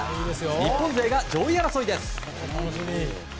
日本勢が上位争いです。